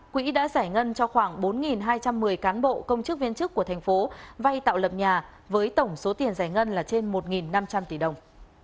quỹ đã giải ngân cho khoảng bốn hai trăm một mươi cán bộ công chức viên chức của thành phố vay tạo lập nhà với tổng số tiền giải ngân là trên một năm trăm linh tỷ đồng